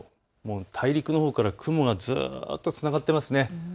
大陸のほうから雲がずっとつながっていますね。